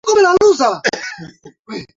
Nimejaribu kujisajili nikashindwa